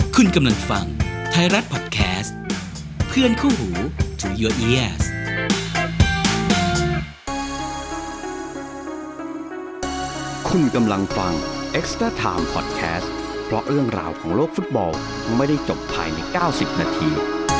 คุณกำลังฟังไทยรัฐพอดแคสต์เพื่อนคู่หูที่คุณกำลังฟังพอดแคสต์บล็อกเรื่องราวของโลกฟุตบอลไม่ได้จบภายในเก้าสิบนาที